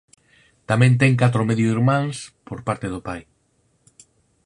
Tamén ten catro medio irmáns por parte do pai.